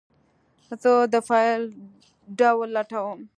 زه د فایل ډول لټوم.